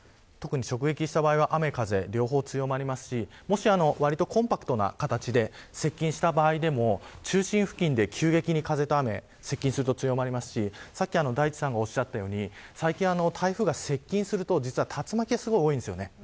直撃した場合は雨風、両方強まりますのでわりとコンパクトな形で接近した場合でも中心付近で急激に雨と風が急激に強まりますし大地さんがおっしゃっていたように台風が接近すると竜巻がすごく多いんです。